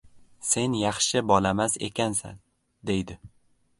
Sen yaxshi bolamas ekansan, deydi.